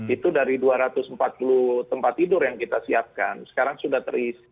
itu dari dua ratus empat puluh tempat tidur yang kita siapkan sekarang sudah terisi dua ratus tiga puluh lima